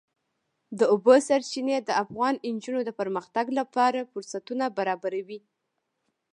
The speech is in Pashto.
د اوبو سرچینې د افغان نجونو د پرمختګ لپاره فرصتونه برابروي.